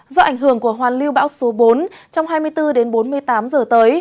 do ảnh hưởng của hoàn lưu bão số bốn trong hai mươi bốn đến bốn mươi tám giờ tới